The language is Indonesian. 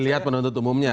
dilihat penutup umumnya